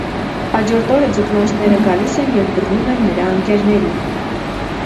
Հաջորդ օրը ձկնորսները գալիս են և բռնում են նրա ընկերներին։